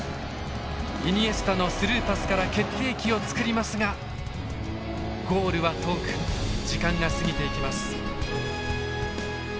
イニエスタのスルーパスから決定機を作りますがゴールは遠く時間が過ぎていきます。